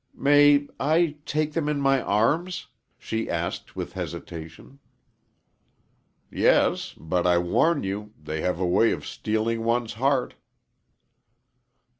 "May I take them in my arms?" she asked, with hesitation. "Yes; but I warn you they have a way of stealing one's heart."